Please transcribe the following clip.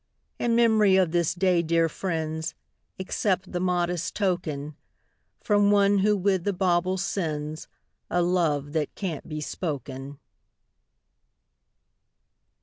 In memory of this Day, dear friends, Accept the modest token From one who with the bauble sends A love that can't be spoken.